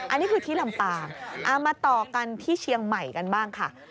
อันนี้คือที่ลำปางเอามาต่อกันที่เชียงใหม่กันบ้างค่ะ